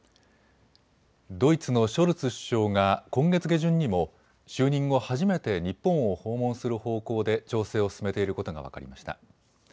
ドイツのショルツ首相が今月下旬にも就任後、初めて日本を訪問する方向で調整を進めていることが分かりました。